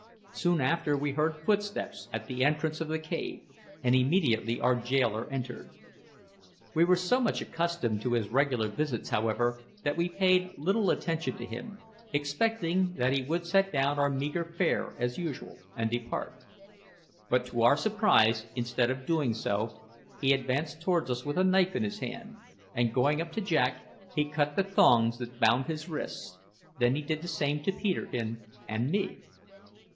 Soon after we heard footsteps at the entrance of the cave, and immediately our jailer entered. We were so much accustomed to his regular visits, however, that we paid little attention to him, expecting that he would set down our meagre fare as usual and depart. But, to our surprise, instead of doing so, he advanced towards us with a knife in his hand, and going up to Jack, he cut the thongs that bound his wrists; then he did the same to Peterkin and me!